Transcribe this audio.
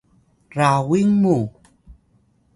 rawin mu’